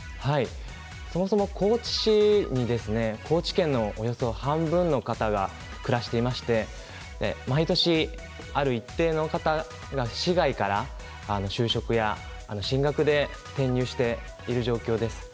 そもそも高知市に高知県のおよそ半分の方が暮らしていまして毎年、ある一定の方が市外から、就職や進学で転入している状況です。